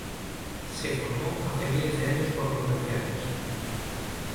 Se formó hace miles de años por los glaciares.